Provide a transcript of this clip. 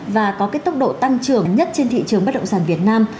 và có cái tốc độ tăng trưởng nhất trên thị trường bất động sản việt nam